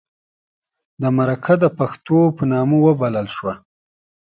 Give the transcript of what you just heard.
د مرکه د پښتو په نامه وبلله شوه.